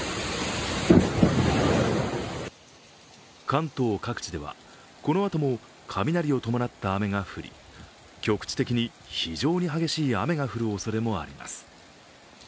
関東各地ではこのあとも雷を伴った雨が降り局地的に非常に激しい雨が降るおそれもあります。